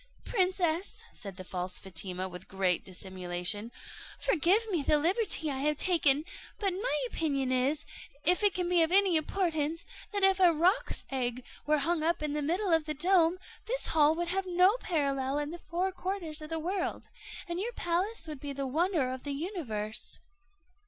"Princess," said the false Fatima, with great dissimulation, "forgive me the liberty I have taken; but my opinion is, if it can be of any importance, that if a roc's egg were hung up in the middle of the dome, this hall would have no parallel in the four quarters of the world, and your palace would be the wonder of the universe."